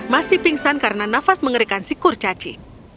masih pingsan karena nafas mengerikan si kurcaci